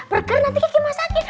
berger nanti kaki masaki